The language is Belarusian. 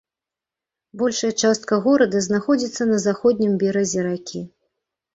Большая частка горада знаходзіцца на заходнім беразе ракі.